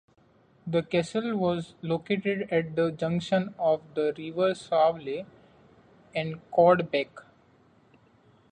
The castle was located at the junction of the River Swale and Cod Beck.